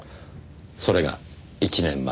それが１年前。